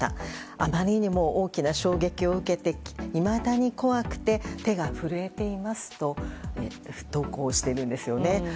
あまりにも大きな衝撃を受けていまだに怖くて手が震えていますと投稿しているんですよね。